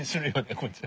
こっちは。